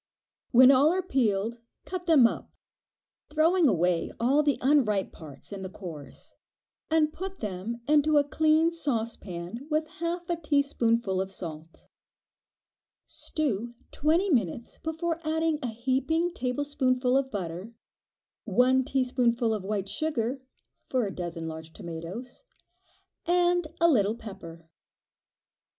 When all are peeled, cut them up, throwing away the unripe parts and the cores, and put them into a clean saucepan with half a teaspoonful of salt. Stew twenty minutes before adding a heaping tablespoonful of butter, one teaspoonful of white sugar (for a dozen large tomatoes) and a little pepper.